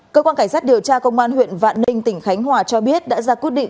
cơ quan cảnh sát điều tra công an huyện vạn ninh tỉnh khánh hòa cho biết đã ra quyết định